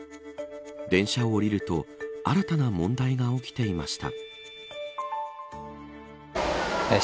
電車を降りると新たな問題が起きていました。